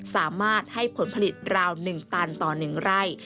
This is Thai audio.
สามารถให้ผลผลิตราวนึงตันต่อหนึ่งไร่